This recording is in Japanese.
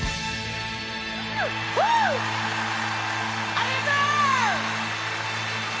ありがとう。